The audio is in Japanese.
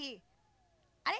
あれ？